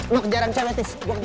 mau nih periksa tonggi